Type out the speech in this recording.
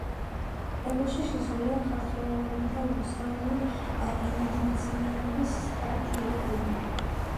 კრებულში შესულია ქართველი და უცხოელი ენათმეცნიერების სტატიები.